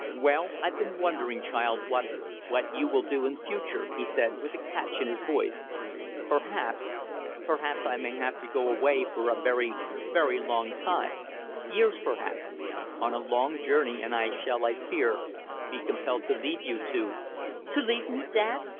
"Well I've been wondering, child, what what you will do in future," he said, with a catch in his voice. "Perhaps perhaps I may have to go away for a very, very long time years perhaps on a long journey, and I shall, I fear, be compelled to leave you, to " "To leave me, dad!"